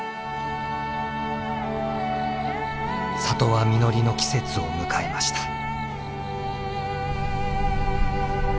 里は実りの季節を迎えました。